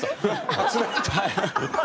あっつられた？